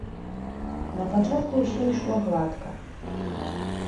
Напачатку ўсё ішло гладка.